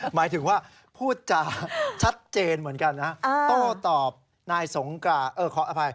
หมายถึงว่าพูดจาชัดเจนเหมือนกันนะ